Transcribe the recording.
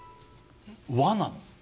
和なの。